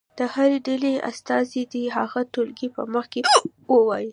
د هرې ډلې استازی دې هغه ټولګي په مخ کې ووایي.